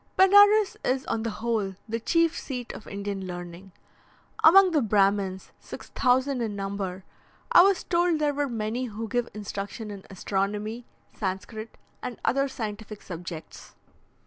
Benares is on the whole the chief seat of Indian learning. Among the Brahmins, 6,000 in number, I was told there were many who give instruction in astronomy, Sanscrit, and other scientific subjects.